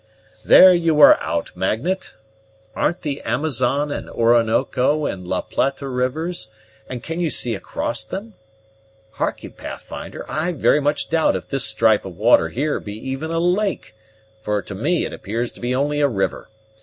"There you are out, Magnet. Aren't the Amazon and Oronoco and La Plata rivers, and can you see across them? Hark'e Pathfinder, I very much doubt if this stripe of water here be even a lake; for to me it appears to be only a river.